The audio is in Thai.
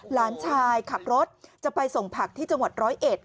หลานชายขับรถจะไปส่งผักที่จังหวัดร้อยเอ็ด